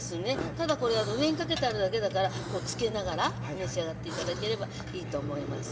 ただこれ上にかけてあるだけだからこうつけながら召し上がって頂ければいいと思います。